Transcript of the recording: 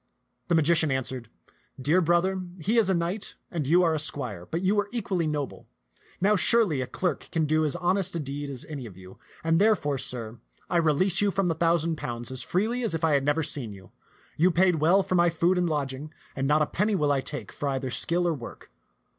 The magician answered, " Dear brother, he is a knight and you are a squire, but you were equally noble. Now surely a clerk can do as honest a deed as any of you ; and, therefore, sir, I release you from the thousand pounds as freely as if I had never seen you. You paid well for my food and lodging, and not a penny will I take for either skill or work.